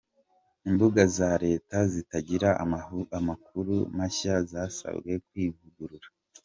Imbuga za Leta zitagira amakuru mashya zasabwe kwivugurura